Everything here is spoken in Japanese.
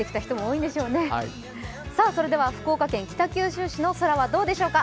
それでは福岡県北九州市の空はどうでしょうか。